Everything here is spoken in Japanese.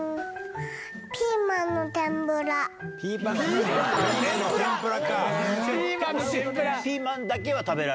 ピーマンの天ぷら⁉